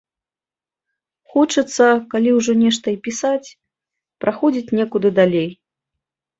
Хочацца, калі ўжо нешта і пісаць, праходзіць некуды далей.